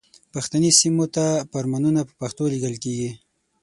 پښتني سیمو ته فرمانونه په پښتو لیږل کیږي.